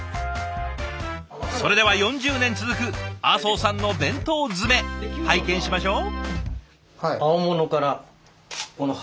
それでは４０年続く阿相さんの弁当詰め拝見しましょう。